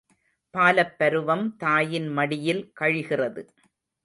பாலப் பருவம் தாயின் மடியில் கழிகிறது!